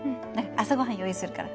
朝ごはん用意するから。